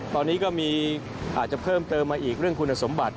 ตอนนี้ก็มีอาจจะเพิ่มเติมมาอีกเรื่องคุณสมบัติ